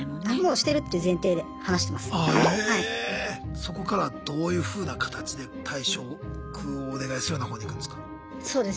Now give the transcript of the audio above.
そこからはどういうふうな形で退職をお願いするようなほうにいくんですか？